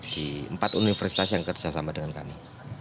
di empat universitas yang kerjasama dengan kami